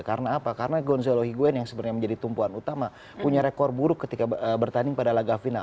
karena apa karena gonzalo higuain yang sebenarnya menjadi tumpuan utama punya rekor buruk ketika bertanding pada la gavina